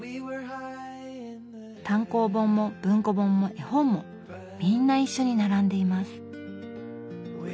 単行本も文庫本も絵本もみんな一緒に並んでいます。